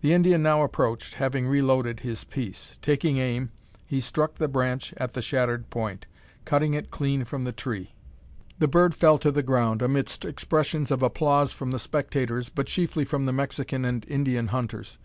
The Indian now approached, having reloaded his piece. Taking aim, he struck the branch at the shattered point, cutting it clean from the tree! The bird fell to the ground, amidst expressions of applause from the spectators, but chiefly from the Mexican and Indian hunters.